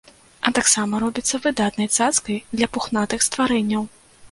А таксама робіцца выдатнай цацкай для пухнатых стварэнняў.